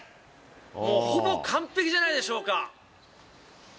もうほぼ完璧じゃないでしょうか。